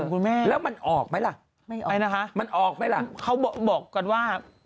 ต้นสูงมากใหญ่คุณแม่